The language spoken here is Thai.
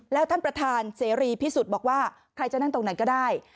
แล้วท่านประธานเสรีพิสุทธิ์บอกว่าใครจะนั่งตรงไหนก็ได้